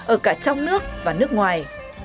ở cả trong nước và nước ngoài